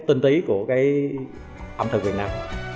tinh tí của cái ẩm thực việt nam